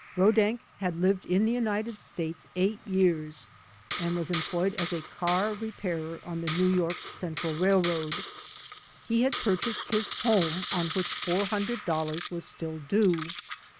Rodak had lived in the United States eight years and was employed as a car repairer on the N. Y. C. R. R He had purchased his honie on which four hundred dol lars was still due.